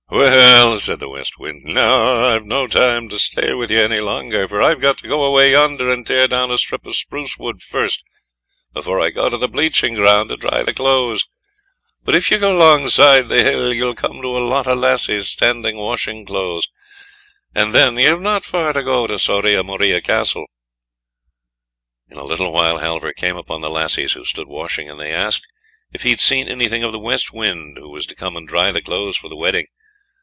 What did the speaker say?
"Well," said the West Wind, "now I've no time to stay with you any longer, for I've got to go away yonder and tear down a strip of spruce wood first before I go to the bleaching ground to dry the clothes; but if you go alongside the hill you'll come to a lot of lassies standing washing clothes, and then you've not far to go to Soria Moria Castle." In a little while Halvor came upon the lassies who stood washing, and they asked if he had seen anything of the West Wind who was to come and dry the clothes for the wedding.